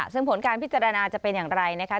ซึ่งผลการพิจารณาจะเป็นอย่างไรนะคะ